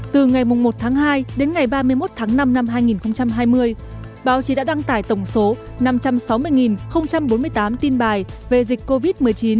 từ ngày một tháng hai đến ngày ba mươi một tháng năm năm hai nghìn hai mươi báo chí đã đăng tải tổng số năm trăm sáu mươi bốn mươi tám tin bài về dịch covid một mươi chín